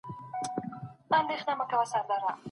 هغې د خپل کار لپاره یو ښه پلان جوړ کړی دی.